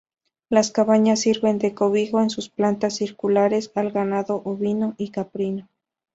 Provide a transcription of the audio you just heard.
Las cabañas sirven de cobijo en sus plantas circulares al ganado ovino y caprino.